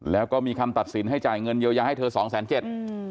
แล้วก็มีคำตัดสินให้จ่ายเงินเยาให้เธอ๒๗๐๐๐๐บาท